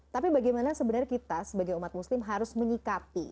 tapi bagaimana sebenarnya kita sebagai umat muslim harus menyikapi